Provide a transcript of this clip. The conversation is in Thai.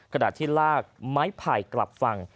ขณะที่ลากไม้ไผ่กลับฝั่ง